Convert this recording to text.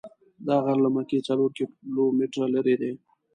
دا غر له مکې څلور کیلومتره لرې دی.